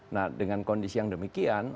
nah dengan kondisi yang demikian